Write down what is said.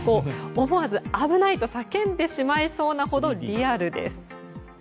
思わず危ないと叫んでしまいそうなほどリアルです。